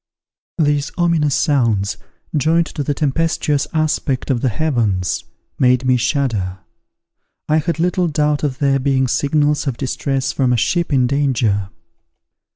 These ominous sounds, joined to the tempestuous aspect of the heavens, made me shudder. I had little doubt of their being signals of distress from a ship in danger.